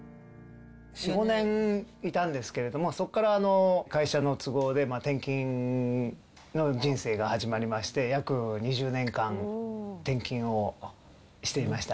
４、５年いたんですけど、そこから会社の都合で転勤の人生が始まりまして、約２０年間、転勤をしていました。